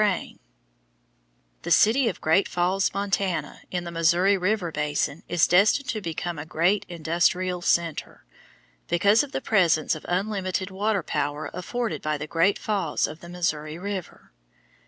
VIRGINIA CITY, NEVADA Supported entirely by mining] The city of Great Falls, Montana, in the Missouri River basin, is destined to become a great industrial centre, because of the presence of unlimited water power afforded by the Great Falls of the Missouri River.